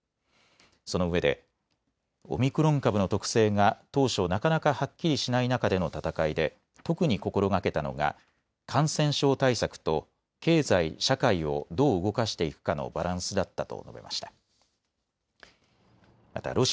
そのうえでオミクロン株の特性が当初、なかなかはっきりしない中でのたたかいで特に心がけたのが感染症対策と経済社会をどう動かしていくかのバランスだったと述べました。